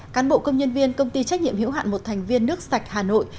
cán bộ công nhân viên công ty trách nhiệm hiểu hạn một thành viên nước sạch hà nội